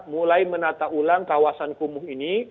mulai menata ulang kawasan kumuh ini